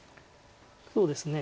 そうですね。